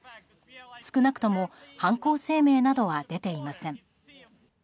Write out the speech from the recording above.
少なくとも犯行声明などは出ていません。